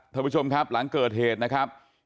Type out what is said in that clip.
ท่านผู้ชมครับหลังเกิดเหตุนะครับ